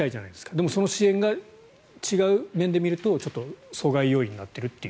でもその支援が違う面で見ると阻害要因になっているという。